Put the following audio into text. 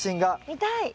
見たい！